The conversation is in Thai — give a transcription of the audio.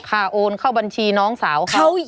โอนเข้าบัญชีน้องสาวเขา